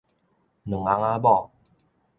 兩翁仔某